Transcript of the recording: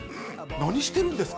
何してるんですか？